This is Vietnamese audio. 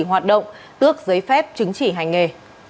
hoạt động ước giấy phép chứng chỉ hành nghề